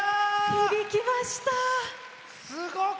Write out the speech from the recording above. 響きました。